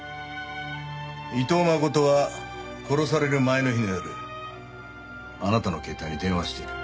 伊藤真琴は殺される前の日の夜あなたの携帯に電話してる。